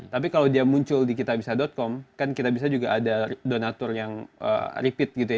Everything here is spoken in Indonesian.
tapi kalau dia muncul di kitabisa com kan kitabisa juga ada donatur yang repeat gitu ya